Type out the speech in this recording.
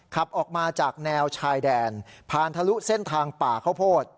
ขับออกมาจากแนวชายแดนผ่านทะลุเส้นทางป่าข้าวโพด